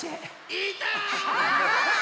いた！